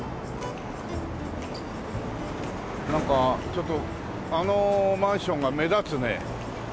なんかちょっとあのマンションが目立つねすごい。